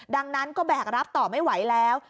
ดังนั้นก็แบกรับต่อไม่ไหวแล้ว